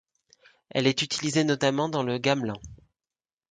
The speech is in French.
Elle est utilisée notamment dans le gamelan.